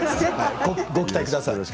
ご期待ください。